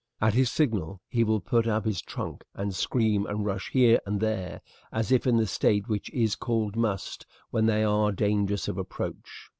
At his signal he will put up his trunk and scream and rush here and there as if in the state which is called must, when they are dangerous of approach.